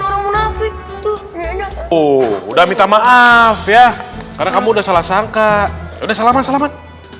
kamu nafik tuh udah minta maaf ya karena kamu udah salah sangka udah salaman salaman